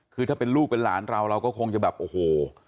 คือถ้าเป็นลูกเป็นหลานเราเราก็คงจะแบบโอ้โห